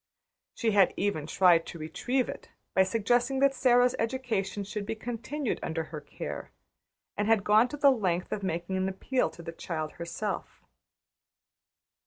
She had even tried to retrieve it by suggesting that Sara's education should be continued under her care, and had gone to the length of making an appeal to the child herself.